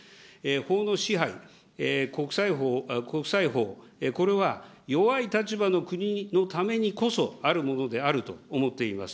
法の支配、国際法、これは弱い立場の国のためにこそあるものであると思っています。